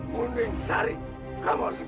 kau tak bisa pergi ke bahan ini